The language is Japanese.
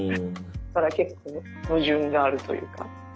だから結構矛盾があるというか。